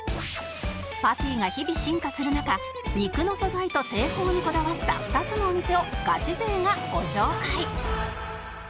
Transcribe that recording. パティが日々進化する中肉の素材と製法にこだわった２つのお店をガチ勢がご紹介